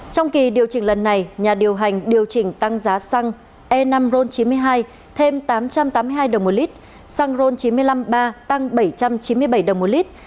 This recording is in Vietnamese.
trong kỳ điều chỉnh lần này nhà điều hành điều chỉnh tăng giá xăng e năm ron chín mươi hai thêm tám trăm tám mươi hai đồng một lít xăng ron chín trăm năm mươi ba tăng bảy trăm chín mươi bảy đồng một lít